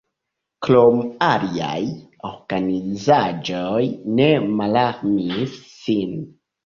Krome aliaj organizaĵoj ne malarmis sin.